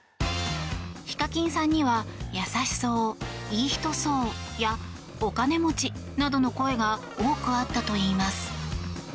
ＨＩＫＡＫＩＮさんには優しそう、いい人そうやお金持ち、などの声が多くあったといいます。